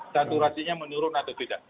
saturasinya menurun atau tidak